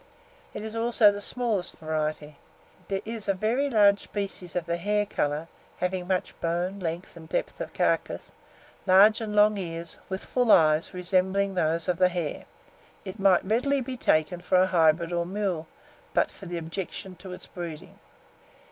It is also the smallest variety. There is a very large species of the hare colour, having much bone, length and depth of carcase, large and long ears, with full eyes, resembling those of the hare: it might readily be taken for a hybrid or mule, but for the objection to its breeding.